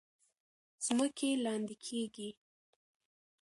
ځمکې لاندې کیږي.